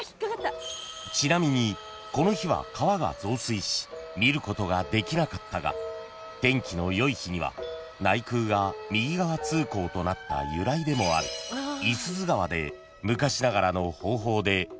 ［ちなみにこの日は川が増水し見ることができなかったが天気のよい日には内宮が右側通行となった由来でもある五十鈴川で昔ながらの方法で手を清めることもできるそう］